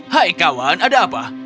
hai kawan ada apa